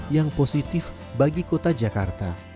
yang positif bagi kota jakarta